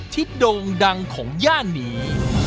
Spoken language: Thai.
โด่งดังของย่านนี้